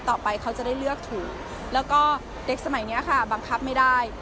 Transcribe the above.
เขาจะได้เลือกถูกแล้วก็เด็กสมัยนี้ค่ะบังคับไม่ได้